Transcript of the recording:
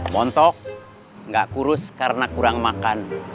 montok nggak kurus karena kurang makan